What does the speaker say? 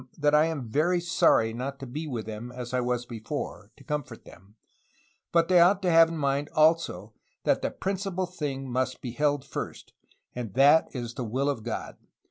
JUNIpERO SERRA 355 that I am very sorry not to be with them as I was before, to com fort them, but they ought to have in mind also that the principal thing must be held first, and that is the will of God.